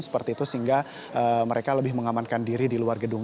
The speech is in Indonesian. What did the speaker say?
sepertinya sehingga mereka lebih mengamankan diri di luar gedung